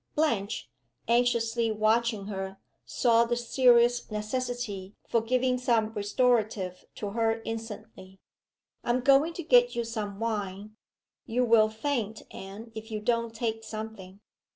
Blanche, anxiously watching her, saw the serious necessity for giving some restorative to her instantly. "I am going to get you some wine you will faint, Anne, if you don't take something.